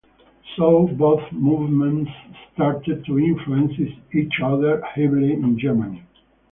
So both movements started to influence each other heavily in Germany.